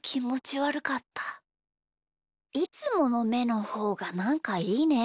いつものめのほうがなんかいいね。